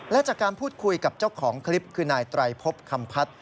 และจากการพูดคุยกับเจ้าของคลิปคือนายไตรพบคำพัฒน์